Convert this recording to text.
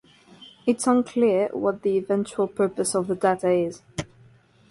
It's unclear what the eventual purpose of the data is.